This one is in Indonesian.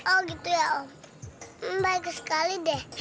oh gitu ya baik sekali deh